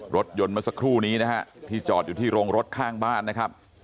รถยนต์เมื่อสักครู่นี้นะฮะที่จอดอยู่ที่โรงรถข้างบ้านนะครับ